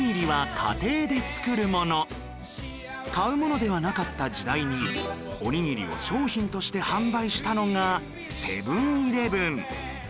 買うものではなかった時代におにぎりを商品として販売したのがセブン−イレブン